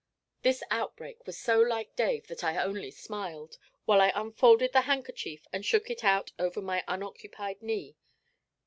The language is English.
This outbreak was so like Dave that I only smiled, while I unfolded the handkerchief and shook it out over my unoccupied knee.